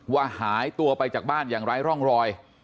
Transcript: หายตัวไปจากบ้านอย่างไร้ร่องรอย